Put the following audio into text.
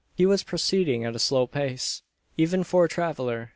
He was proceeding at a slow pace even for a traveller.